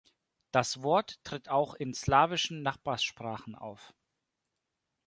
Das Wort tritt auch in slawischen Nachbarsprachen auf.